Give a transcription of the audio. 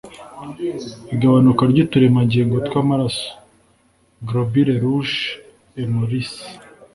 Igabanuka ry ‘uturemangingo tw’amaraso (globules rouges=Hemolyse)